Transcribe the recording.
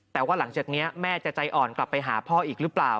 แต่ว่าหลังจากนี้แม่จะใจอ่อนกลับไปหาพ่ออีกหรือเปล่า